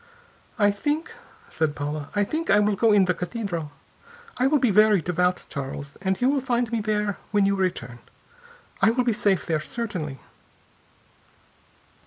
"I think," said Paula, "I think I will go in the cathedral. I will be very devout, Charles, and you will find me there when you return. I will be safe there, certainly."